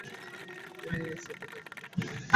তিনি এবং ইসাবেলে একে অপরকে ভালোভাবেই চিনতেন।